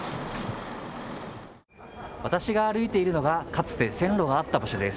私が歩いているのが、かつて線路があった場所です。